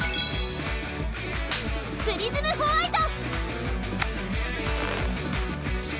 プリズムホワイト！